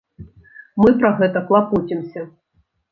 Мы пра гэта клапоцімся.